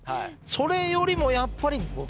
それよりもやっぱりゴキブリ。